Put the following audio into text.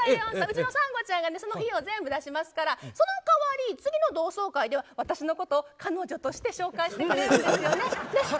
うちの三吾ちゃんがねその費用全部出しますからそのかわり次の同窓会では私のことを彼女として紹介してくれるんですよね。